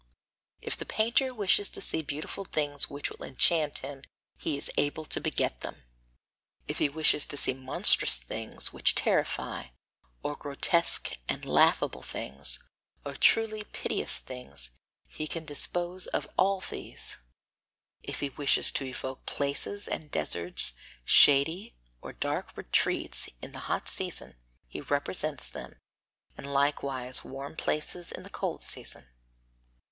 If the painter wishes to see beautiful things which will enchant him he is able to beget them; if he wishes to see monstrous things which terrify, or grotesque and laughable things, or truly piteous things, he can dispose of all these; if he wishes to evoke places and deserts, shady or dark retreats in the hot season, he represents them, and likewise warm places in the cold season.